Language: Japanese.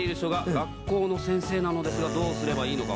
学校の先生なのですがどうすればいいのか